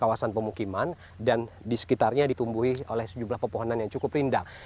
kawasan pemukiman dan di sekitarnya ditumbuhi oleh sejumlah pepohonan yang cukup rindang